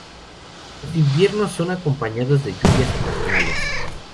Los inviernos son acompañados de lluvias ocasionales.